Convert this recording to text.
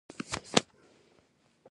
امنیت د ژوند اړتیا ده